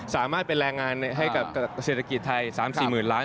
สามารถไปแรงงานให้เศรษฐกิจไทย๓๔๐ล้าน